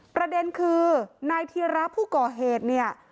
ประเด็นคือนายธีระผู้ก่อเหตุเนี่ย